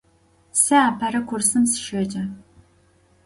Se apere kursım sışêce.